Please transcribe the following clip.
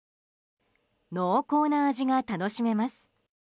濃厚な味が楽しめます。